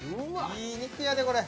いい肉やでこれ。